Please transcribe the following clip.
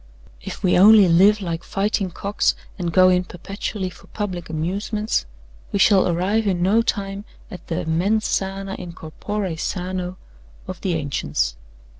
If we only live like fighting cocks, and go in perpetually for public amusements, we shall arrive in no time at the mens sana in corpore sano of the ancients.